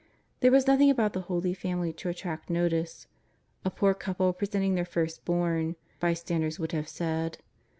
There was noth ing about the Holy Family to attract notice — a poor couple presenting their first born, bystanders would have said.